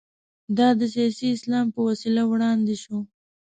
دا د سیاسي اسلام په وسیله وړاندې شو.